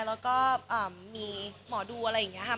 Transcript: แล้วก็มีหมอดูอะไรอย่างนี้ค่ะ